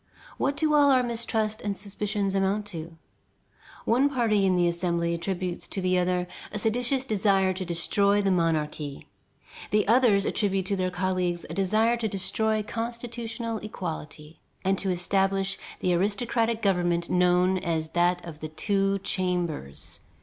What do all our mistrust and suspicions amount to? One party in the Assembly attributes to the other a seditious desire to destroy the monarchy. The others attribute to their colleagues a desire to destroy constitutional equality and to establish the aristocratic government known as that of the Two Chambers.